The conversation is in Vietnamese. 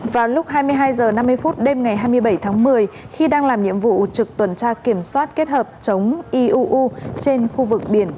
vào lúc hai mươi hai h năm mươi phút đêm ngày hai mươi bảy tháng một mươi khi đang làm nhiệm vụ trực tuần tra kiểm soát kết hợp chống iuu trên khu vực biển